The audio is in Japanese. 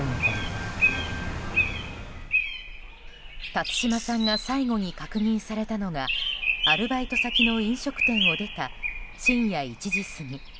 辰島さんが最後に確認されたのがアルバイト先の飲食店を出た深夜１時過ぎ。